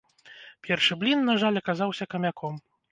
Першы блін, на жаль, аказаўся камяком.